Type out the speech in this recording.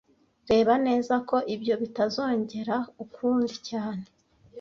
Reba neza ko ibyo bitazongera ukundi cyane